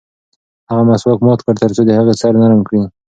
هغه مسواک مات کړ ترڅو د هغې سر نرم کړي.